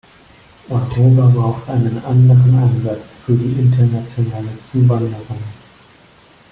Europa braucht einen anderen Ansatz für die internationale Zuwanderung.